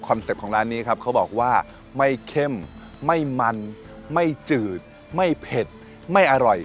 เป็ปต์ของร้านนี้ครับเขาบอกว่าไม่เข้มไม่มันไม่จืดไม่เผ็ดไม่อร่อย